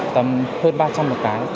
tầm hơn ba trăm linh một cái